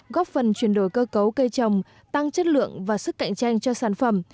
góp phần chuyển đổi cơ cấu cây trồng tăng chất lượng và sức cạnh tranh cho sản phẩm